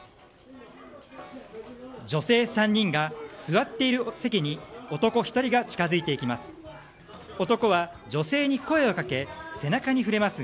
女性３人が座っている席に男１人が近づいていきます。